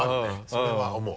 それは思う。